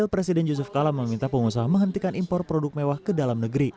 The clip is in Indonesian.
presiden yusuf kala meminta pengusaha menghentikan impor produk mewah ke dalam negeri